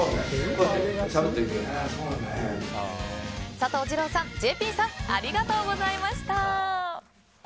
佐藤二朗さん、ＪＰさんありがとうございました。